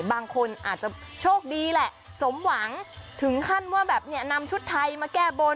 บางคนอาจจะโชคดีแหละสมหวังถึงขั้นว่าแบบเนี่ยนำชุดไทยมาแก้บน